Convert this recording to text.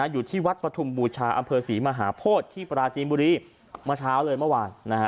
อยู่ที่วัดปฐุมบูชาอำเภอศรีมหาโพธิที่ปราจีนบุรีเมื่อเช้าเลยเมื่อวาน